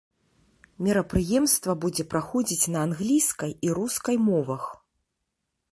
Мерапрыемства будзе праходзіць на англійскай і рускай мовах.